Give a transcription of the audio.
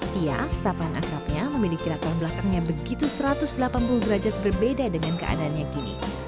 tia sapan akrabnya memiliki ratuan belakangnya begitu satu ratus delapan puluh derajat berbeda dengan keadaannya gini